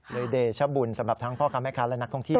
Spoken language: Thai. เดชบุญสำหรับทั้งพ่อค้าแม่ค้าและนักท่องเที่ยว